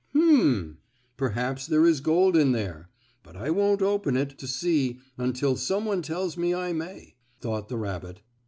"Hum! Perhaps there is gold in there. But I won't open it to see until some one tells me I may," thought the rabbit.